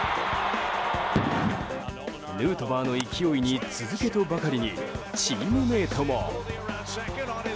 ヌートバーの勢いに続けとばかりにチームメートも。